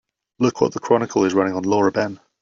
Look what the Chronicle is running on Laura Ben.